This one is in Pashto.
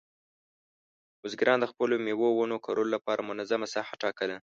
بزګران د خپلو مېوې ونو کرلو لپاره منظمه ساحه ټاکله.